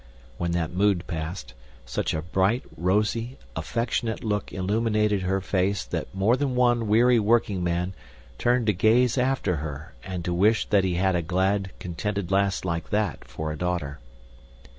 When that mood passed, such a bright, rosy, affectionate look illuminated her face that more than one weary working man turned to gaze after her and to wish that he had a glad, contented lass like that for a daughter.